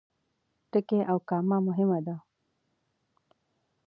ټکی او کامه مهم دي.